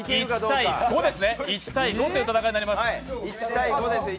１対５という戦いになります。